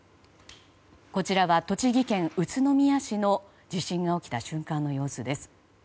こちらは栃木県宇都宮市の地震が起きた瞬間の様子です。